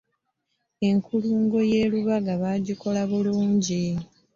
Enkulungo ye Lubaga baagikola bulungi.